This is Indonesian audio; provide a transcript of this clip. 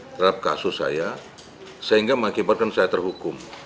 terhadap kasus saya sehingga mengakibatkan saya terhukum